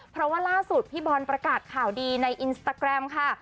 เพราะว่าล่าสุดพี่บอลประกาศข่าวดีในอินสตาแกรมค่ะ